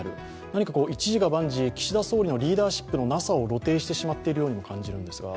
何か一事が万事、岸田総理のリーダーシップのなさを露呈してしまっているようにも感じるんですが。